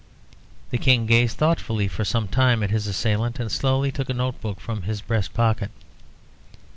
The King gazed thoughtfully for some time at his assailant, and slowly took a note book from his breast pocket.